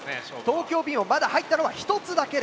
東京Ｂもまだ入ったのは１つだけです。